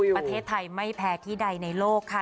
ประเทศไทยไม่แพ้ที่ใดในโลกค่ะ